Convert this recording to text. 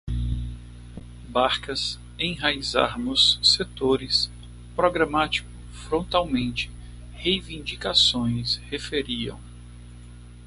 Barcas, enraizarmos, setores, programático, frontalmente, reivindicações, referiam